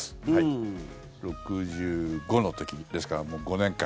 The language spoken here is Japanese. ６５の時ですからもう５年間。